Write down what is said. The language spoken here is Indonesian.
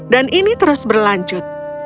dan ini terus berlanjut